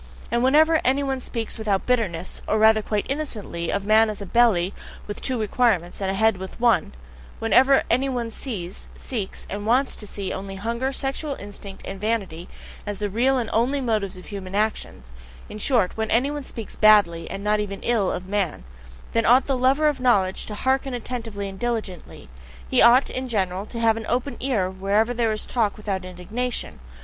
And whenever anyone speaks without bitterness, or rather quite innocently, of man as a belly with two requirements, and a head with one; whenever any one sees, seeks, and WANTS to see only hunger, sexual instinct, and vanity as the real and only motives of human actions; in short, when any one speaks "badly" and not even "ill" of man, then ought the lover of knowledge to hearken attentively and diligently; he ought, in general, to have an open ear wherever there is talk without indignation.